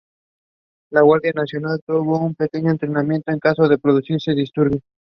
La guardia nacional tuvo un pequeño entrenamiento en caso de producirse disturbios.